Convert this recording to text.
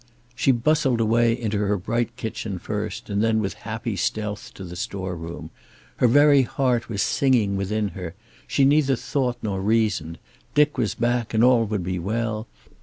She bustled away, into her bright kitchen first, and then with happy stealth to the store room. Her very heart was singing within her. She neither thought nor reasoned. Dick was back, and all would be well.